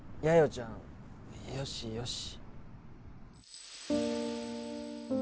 ちゃんよしよし